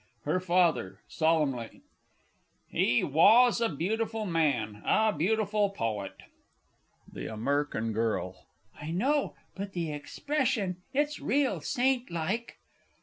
HER FATHER (solemnly). He was a beautiful Man a beautiful Poet. THE A. G. I know but the expression, it's real saint like!